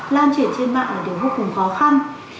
lan truyền trên mạng là điều vô cùng khó khăn